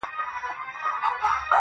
چي ستا تر تورو غټو سترگو اوښكي وڅڅيږي.